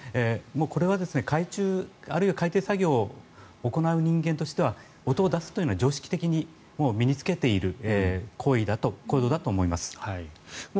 これは海中、あるいは海底作業を行う人間としては音を出すというのは常識的に身に着けている行動だと思います。